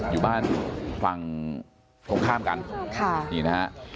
อยู่บ้านฝั่งตรงข้ามกัน